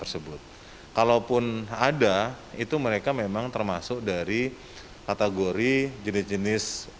sebagai upaya dalam membantu mengurangi